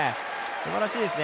すばらしいですね。